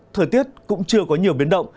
thời tiết cũng chưa có nhiều biến động